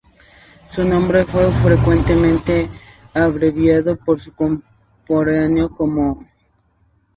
Su nombre fue frecuentemente abreviado por sus contemporáneos como "Л.Ю.